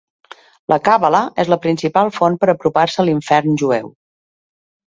La càbala és la principal font per apropar-se a l'infern jueu.